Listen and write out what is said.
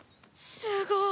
すごい！